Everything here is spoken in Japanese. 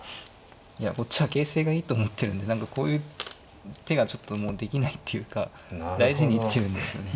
いやこっちは形勢がいいと思ってるんで何かこういう手がちょっともうできないっていうか大事に行ってるんですよね。